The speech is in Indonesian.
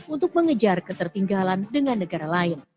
untuk mengejar ketertinggalan dengan negara lain